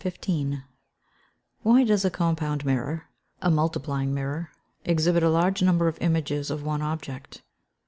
_Why does a compound mirror (a multiplying mirror) exhibit a large number of images of one object.